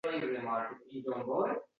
U birodarlaridan ayrildi, vidolashdi